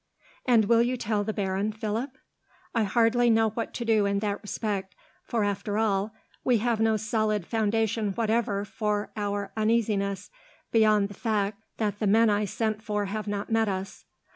"And will you tell the baron, Philip?" "I hardly know what to do in that respect, for after all, we have no solid foundation whatever for our uneasiness, beyond the fact that the men I sent for have not met us.